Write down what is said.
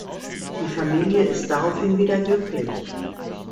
Die Familie ist daraufhin wieder glücklich.